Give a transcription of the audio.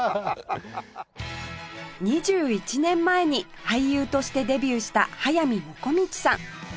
２１年前に俳優としてデビューした速水もこみちさん